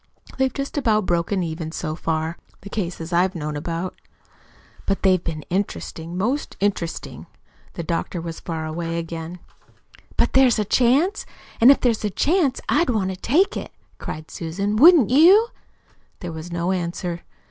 They've just about broken even so far the cases I've known about. But they've been interesting, most interesting." The doctor was far away again. "But there's a chance; and if there is a chance I'd want to take it," cried Susan. "Wouldn't you?" There was no answer.